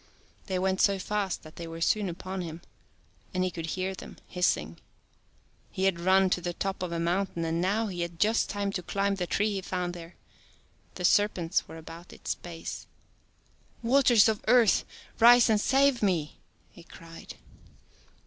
They went so fast that they were soon upon him and he could hear them hissinor. He had run to the top of a mountain and now he had just time to climb the tree he found there. The serpents were about its base. " Waters of Earth, rise and save me," he cried.